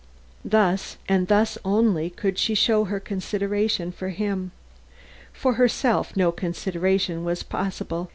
Thus and thus only could she show her consideration for him. For herself no consideration was possible.